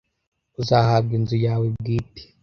uzahabwa inzu yawe bwite